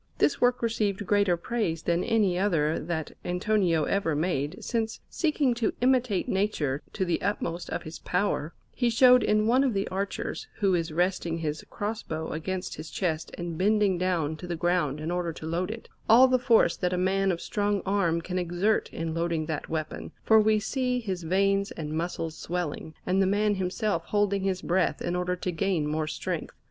This work received greater praise than any other that Antonio ever made, since, seeking to imitate nature to the utmost of his power, he showed in one of the archers, who is resting his cross bow against his chest and bending down to the ground in order to load it, all the force that a man of strong arm can exert in loading that weapon, for we see his veins and muscles swelling, and the man himself holding his breath in order to gain more strength.